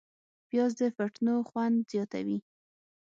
پیاز د فټنو خوند زیاتوي